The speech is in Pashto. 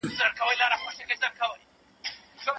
هلک په خندا سره خونې ته ننوت.